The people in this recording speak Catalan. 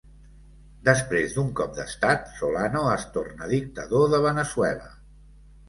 Després d'un cop d'Estat, Solano es torna dictador de Veneçuela.